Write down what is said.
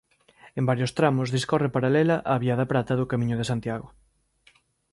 En varios tramos discorre paralela á Vía da Prata do Camiño de Santiago.